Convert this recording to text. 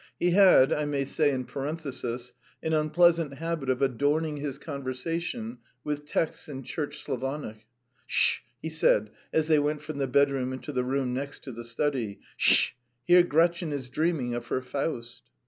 He had, I may say in parenthesis, an unpleasant habit of adorning his conversation with texts in Church Slavonic. "Sh sh!" he said as they went from the bedroom into the room next to the study. "Sh sh! Here Gretchen is dreaming of her Faust."